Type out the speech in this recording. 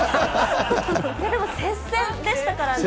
でも接戦でしたからね。